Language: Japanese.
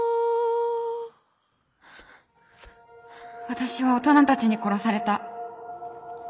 私は大人たちに殺された。